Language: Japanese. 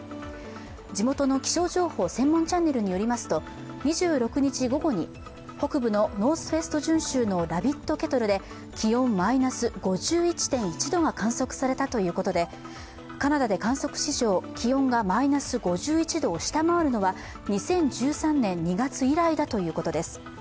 地元の気象情報専門チャンネルによりますと、２６日午後に北部のノースウェスト準州のラビット・ケトルで気温マイナス５１．１度が観測されたということでカナダで観測史上気温がマイナス５１度を下回るのは２０１３年２月以来だということです。